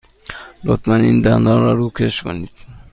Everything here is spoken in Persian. لطفاً این دندان را روکش کنید.